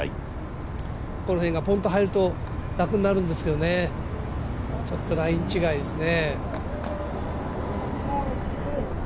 この辺がポンっと入ると楽になるんですがライン違いですね。